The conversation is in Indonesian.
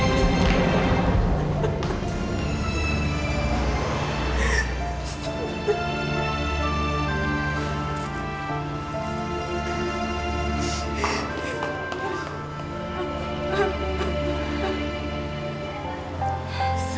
om terima kasih